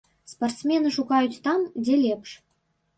Спартсмены шукаюць там, дзе лепш.